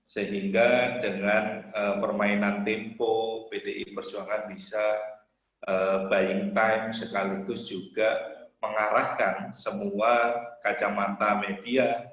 sehingga dengan permainan tempo pdi perjuangan bisa buying time sekaligus juga mengarahkan semua kacamata media